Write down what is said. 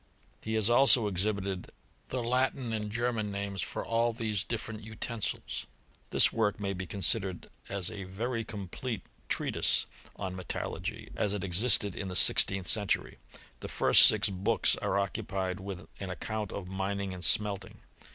He has also exhibited the Lafiw and German names for all these different utend This work may be considered as a very complete tr^ .ii AORICOLA AKD METALLUftOY. 221 tke on metallurgy, as it existed in the sixteenth cen« tofy. The first six books are occupied with an account o{ mining and smelting.